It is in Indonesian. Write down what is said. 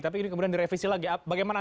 tapi ini kemudian direvisi lagi bagaimana